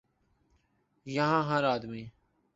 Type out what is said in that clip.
یہاں ہر آدمی